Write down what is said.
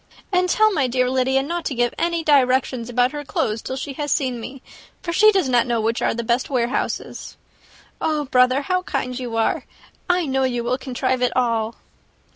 And tell my dear Lydia not to give any directions about her clothes till she has seen me, for she does not know which are the best warehouses. Oh, brother, how kind you are! I know you will contrive it all."